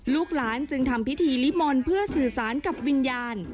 ลูกหลานจึงทำพิธีลิมนต์เพื่อสื่อสารกับวิญญาณ